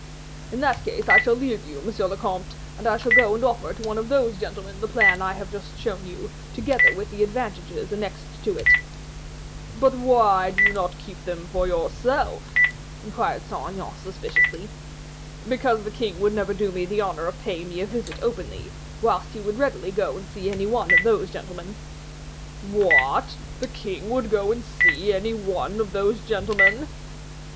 "In that case I shall leave you, monsieur le comte, and I shall go and offer to one of those gentlemen the plan I have just shown you, together with the advantages annexed to it." "But why do you not keep them for yourself?" inquired Saint Aignan, suspiciously. "Because the king would never do me the honor of paying me a visit openly, whilst he would readily go and see any one of those gentlemen." "What! the king would go and see any one of those gentlemen?"